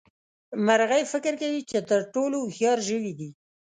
مرغۍ فکر کوي چې تر ټولو هوښيار ژوي دي.